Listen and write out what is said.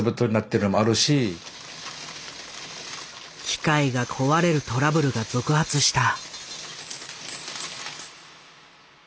機械が壊れるトラブルが続発した。